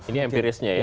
ini empirisnya ya